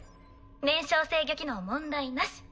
燃焼制御機能問題なし。